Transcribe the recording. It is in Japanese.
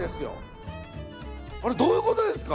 あれどういうことですか？